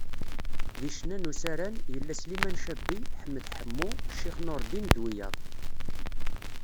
Deg ccna n usaran, yella Sliman Cabbi, Ḥmed Ḥemmu, Ccix Nurdin, d wiyaḍ.